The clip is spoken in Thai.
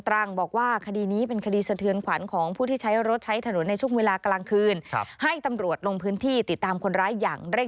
จะทำยังไงเหมือนกัน